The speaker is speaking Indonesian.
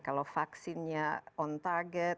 kalau vaksinnya on target